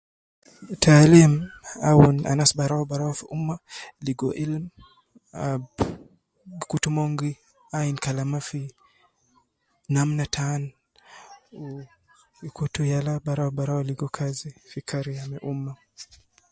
Taalim aun anas barau barau fi umma ligo ilim ab gikutu mon gi ain kalama fi namna taan, gikutu yala barau barau ligo kazi fi kariya fi umma